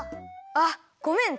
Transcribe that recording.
あっごめん！